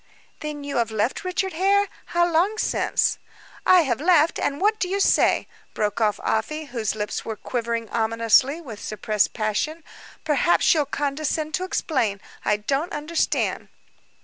"Then you have left Richard Hare? How long since?" "I have left what do you say?" broke off Afy, whose lips were quivering ominously with suppressed passion. "Perhaps you'll condescend to explain. I don't understand."